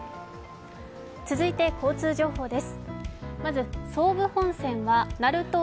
続いて交通情報です。